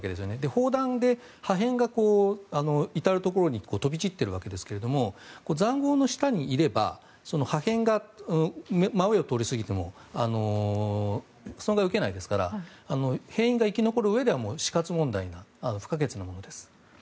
砲弾で破片が至るところに飛び散っているわけですが塹壕の下にいれば破片が真上を通り過ぎても損害を受けないですから兵員が生き残るうえでは死活問題で不可欠なものです。